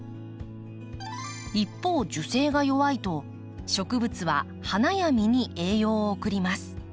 一方樹勢が弱いと植物は花や実に栄養を送ります。